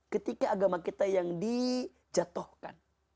ketika agama kita yang dijatuhkan